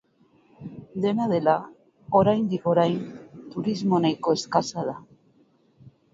Dena dela, oraindik-orain turismo nahiko eskasa da.